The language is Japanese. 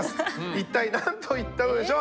一体なんと言ったのでしょう？